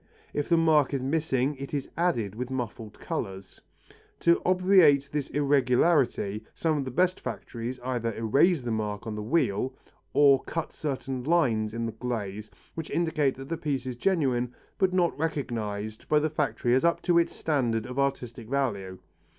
If the mark is missing it is added with muffled colours. To obviate this irregularity some of the best factories either erase the mark on the wheel, or cut certain lines in the glaze which indicate that the piece is genuine but not recognized by the factory as up to its standard of artistic value.